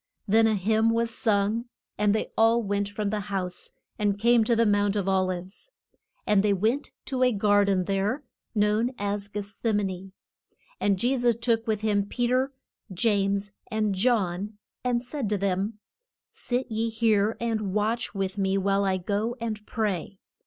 Then a hymn was sung and they all went from the house, and came to the Mount of Ol ives. And they went to a gar den there, known as Geth sem a ne. And Je sus took with him Pe ter, James, and John, and said to them, Sit ye here and watch with me while I go and pray.